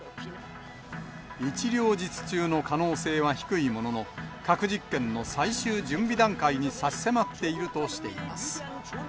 一両日中の可能性は低いものの、核実験の最終準備段階に差し迫っているとしています。